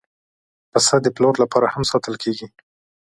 پسه د پلور لپاره هم ساتل کېږي.